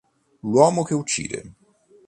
L'uomo che uccide